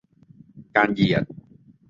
การเหยียด